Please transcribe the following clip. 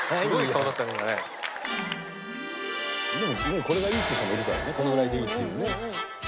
でもこれがいいっていう人もいるからねこのぐらいでいいっていうね」